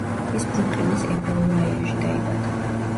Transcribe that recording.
ის ბრუკლინის ებრაულ რაიონში დაიბადა.